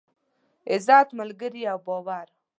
عزت، ملگري او باور.